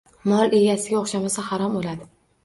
Mol egasiga o‘xshamasa, harom o‘ladi